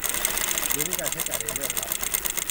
หรือมีการใช้จ่ายในเรื่องลับ